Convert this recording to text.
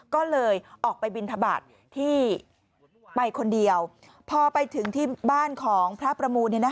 ก็เลยออกไปบินทบาทที่ไปคนเดียวพอไปถึงที่บ้านของพระประมูล